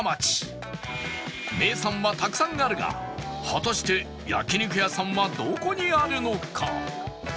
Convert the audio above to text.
名産はたくさんあるが果たして焼肉屋さんはどこにあるのか？